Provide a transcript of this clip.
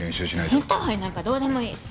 インターハイなんかどうでもいい。